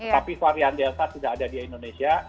tapi varian delta sudah ada di indonesia